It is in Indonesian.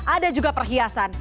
ada juga perhiasan